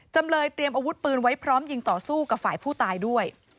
จำเลยเตรียมอาวุธปืนไว้พร้อมยิงต่อสู้กับฝ่ายผู้ตายด้วย